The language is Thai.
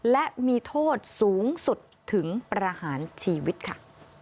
และมีโทษสูงสุดถึงประหารชีวิตค่ะ